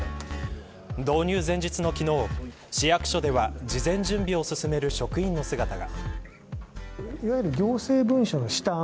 導入前日の昨日、市役所では事前準備を進める職員の姿が。